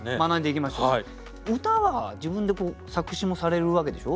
歌は自分で作詞もされるわけでしょ？